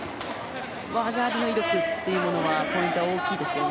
技ありの威力というのがポイントが大きいですよね。